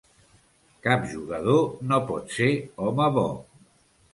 Cap jugador no pot ser home bo.